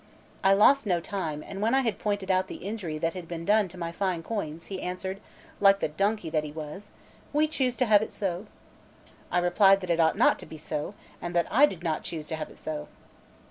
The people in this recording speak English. I lost no time; and when I had pointed out the injury that had been done to my fine coins, he answered, like the donkey that he was: "We choose to have it so." I replied that it ought not to be so, and that I did not choose to have it so.